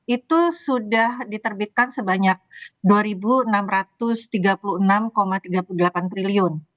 itu sudah diterbitkan sebanyak rp dua enam ratus tiga puluh enam tiga puluh delapan triliun